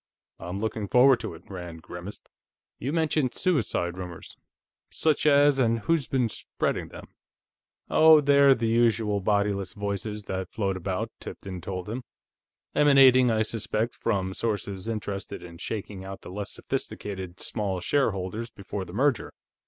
"I'm looking forward to it." Rand grimaced. "You mentioned suicide rumors. Such as, and who's been spreading them?" "Oh, they are the usual bodyless voices that float about," Tipton told him. "Emanating, I suspect, from sources interested in shaking out the less sophisticated small shareholders before the merger.